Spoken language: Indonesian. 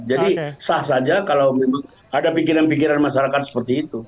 jadi sah saja kalau memang ada pikiran pikiran masyarakat seperti itu